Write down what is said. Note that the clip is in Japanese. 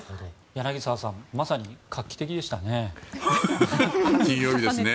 柳澤さんまさに画期的でしたね。